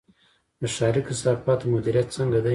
د ښاري کثافاتو مدیریت څنګه دی؟